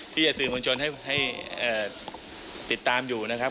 ที่เศรษฐ์สื่อมงชนติดตามอยู่นะครับ